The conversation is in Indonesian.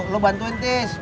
lo bantuin tis